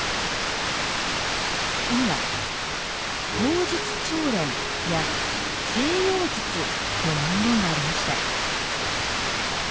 そこには「砲術調練」や「西洋つつ」の文言がありました。